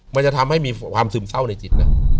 มันจะทำให้มีความซึมเศร้าในจิตนะ